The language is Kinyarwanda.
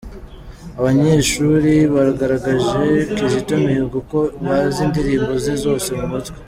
Abanyeshuri bagaragarije Kizito Mihigo ko bazi indirimbo ze zose mu mutwe.